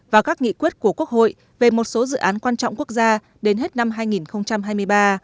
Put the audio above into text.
và các nghị quyết của quốc hội về một số dự án quan trọng quốc gia đến hết năm hai nghìn hai mươi ba